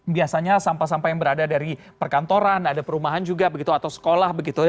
biasanya sampah sampah yang berada dari perkantoran ada perumahan juga atau sekolah